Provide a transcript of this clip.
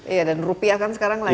iya dan rupiah kan sekarang lagi